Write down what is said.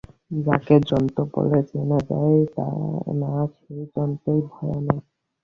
যাকে জন্তু বলে চেনা যায় না সেই জন্তুই ভয়ানক।